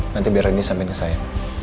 nanti biar randy sampein ke saya